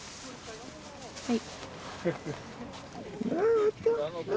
はい。